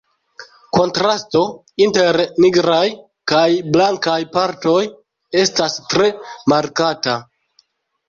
Kontrasto inter nigraj kaj blankaj partoj estas tre markata.